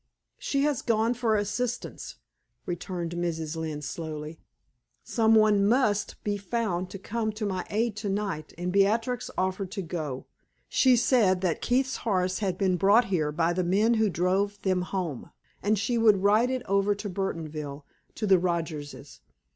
"She has gone for assistance," returned Mrs. Lynne, slowly. "Some one must be found to come to my aid tonight, and Beatrix offered to go. She said that Keith's horse had been brought here by the men who drove them home, and she would ride it over to Burtonville, to the Rogerses.